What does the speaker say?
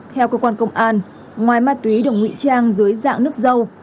theo cơ quan công an ngoài ma túy được ngụy trang dưới dạng nước dâu